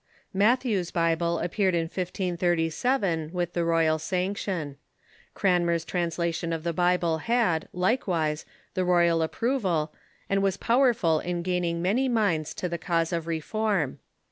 Mattliew's Bible appeared in 1537, with the royal sanction. Cranmer's translation of the Bible had, likewise, the royal ap proval, and was powerful in gaining many minds to the cause of reform.